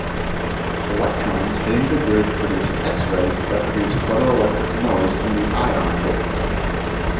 Electrons hitting the grid produce X-rays that produce photoelectric noise in the ion collector.